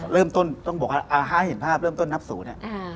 เริ่มต้นต้องบอกว่าให้เห็นภาพเริ่มต้นนับศูนย์